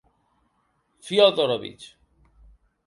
Fiódorovich.